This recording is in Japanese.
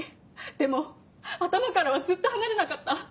でも頭からはずっと離れなかった。